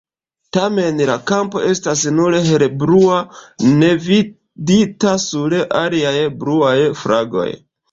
Tamen, la kampo estas nur helblua ne vidita sur aliaj bluaj flagoj.